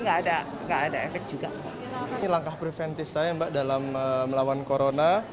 nggak ada nggak ada efek juga terasilangkah preventif saya mbak dalam melawan corona